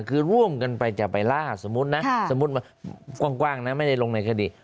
คือร่วมกันไปจะไปล่าสมมุตินะสมมุติกว้างนะไม่ได้ลงในคดี